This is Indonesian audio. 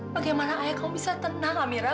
bagaimana ayah kamu bisa tenang amira